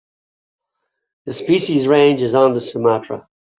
The species range is on Sumatra.